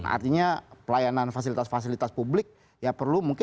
artinya pelayanan fasilitas fasilitas publik ya perlu mungkin